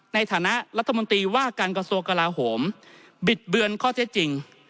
ในฐานะรัฐมนตรีว่าการกระทรวงกลาโหมบิดเบือนข้อเท็จจริง